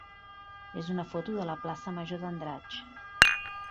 és una foto de la plaça major d'Andratx.